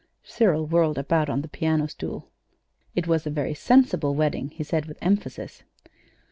Cyril whirled about on the piano stool. "It was a very sensible wedding," he said with emphasis.